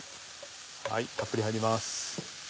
たっぷり入ります。